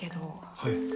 はい。